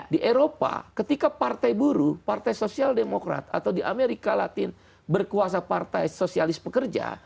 di eropa ketika partai buruh partai sosial demokrat atau di amerika latin berkuasa partai sosialis pekerja